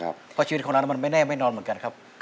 เพราะชีวิตของร้านมันไม่แน่ไม่นอนเหมือนกันครับ